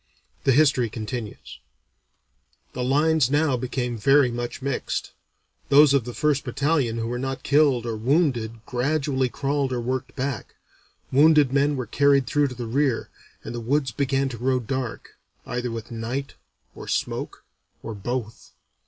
The history continues: "The lines now became very much mixed. Those of the first battalion who were not killed or wounded gradually crawled or worked back; wounded men were carried through to the rear; and the woods began to grow dark, either with night or smoke or both.